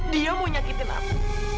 dia mau nyakitin aku